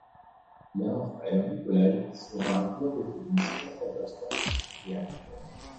Il a un frère, Nikolaï, qui sera joueur de tennis, commentateur sportif et acteur.